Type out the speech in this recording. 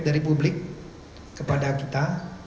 dari publik kepada kita